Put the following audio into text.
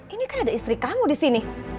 ini kan ada istri kamu disini